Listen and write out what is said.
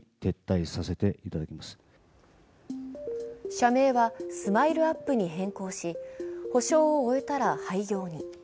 社名はＳＭＩＬＥ−ＵＰ．に変更し補償を終えたら廃業に。